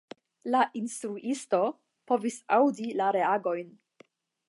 La "instruisto" povis aŭdi la reagojn.